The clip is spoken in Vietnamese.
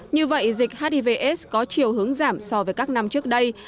như vậy dịch hiv aids có chiều hướng giảm so với các năm trước đây